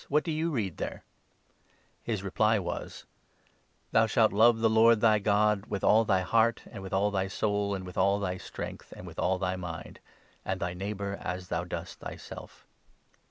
" What do 26 you read there ?" His reply was — 27 "' Thou shall love the Lord thy God with all thy heart, and with all thy soul, and with 'all thy strength, and with all thy mind ; and thy neighbour as thou dost thyself.'